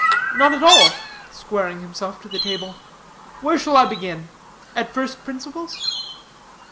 "None at all," squaring himself to the table. "Where shall I begin? At first principles?"